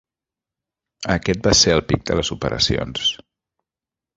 Aquest va ser el pic de les operacions.